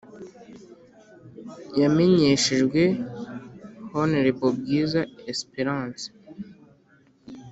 Yamenyeshejwe hon bwiza esperance